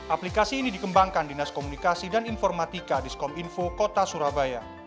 aplikasi ini dikembangkan dinas komunikasi dan informatika diskom info kota surabaya